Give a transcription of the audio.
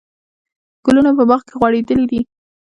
ګلونه په باغ کې غوړېدلي دي.